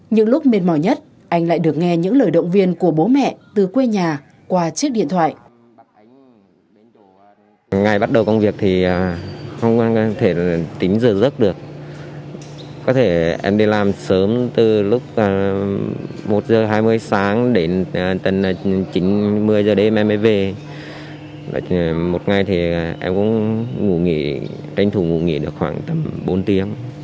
những lúc mệt mỏi nhất anh lại được nghe những lời động viên của bố mẹ từ quê nhà qua chiếc điện thoại